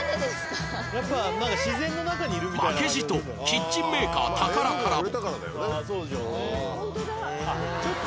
負けじとキッチンメーカータカラからも